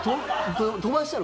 飛ばしたの？